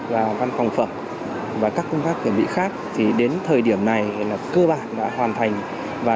và văn phòng phẩm và các công tác chuẩn bị khác thì đến thời điểm này là cơ bản đã hoàn thành và